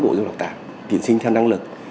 bộ giáo dục đào tạo tuyển sinh theo năng lực